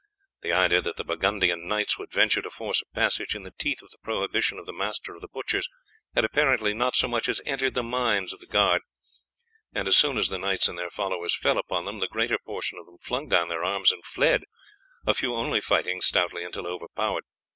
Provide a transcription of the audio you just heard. The idea that the Burgundian knights would venture to force a passage in the teeth of the prohibition of the master of the butchers had apparently not so much as entered the minds of the guard, and as soon as the knights and their followers fell upon them, the greater portion of them flung down their arms and fled, a few only fighting stoutly until overpowered.